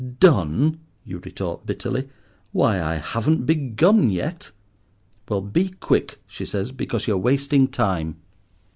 "Done!" you retort bitterly; "why, I haven't begun yet." "Well, be quick," she says, "because you're wasting time."